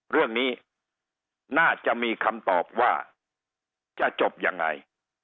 เรื่องนี้น่าจะมีคำตอบว่าจะจบยังไง